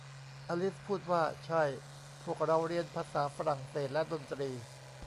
อลิซพูดว่า ใช่ พวกเราเรียนภาษาฝรั่งเศสและดนตรี